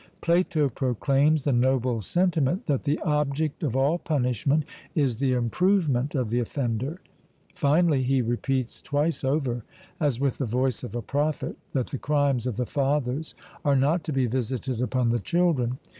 Plato proclaims the noble sentiment that the object of all punishment is the improvement of the offender... Finally, he repeats twice over, as with the voice of a prophet, that the crimes of the fathers are not to be visited upon the children.